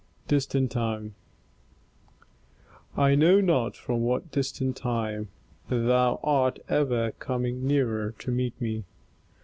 8 Autoplay I know not from what distant time thou art ever coming nearer to meet me.